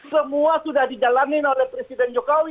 semua sudah dijalanin oleh presiden jokowi